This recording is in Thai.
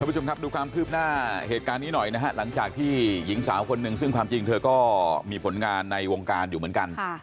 ผู้ชมครับดูความคืบหน้าเหตุการณ์นี้หน่อยนะฮะหลังจากที่หญิงสาวคนหนึ่งซึ่งความจริงเธอก็มีผลงานในวงการอยู่เหมือนกัน